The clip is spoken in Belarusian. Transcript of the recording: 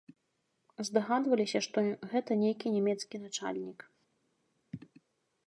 Здагадваліся, што гэта нейкі нямецкі начальнік.